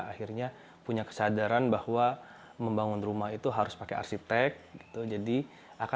mereka akhirnya punya kesadaran bahwa membangun rumah itu harus pakai arsitek